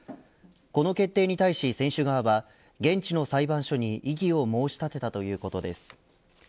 この決定に対し選手側は現地の裁判所に異議を申し立てたということです。